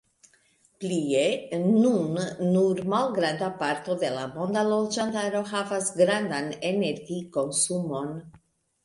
Plie, nun nur malgranda parto de la monda loĝantaro havas grandan energikonsumon.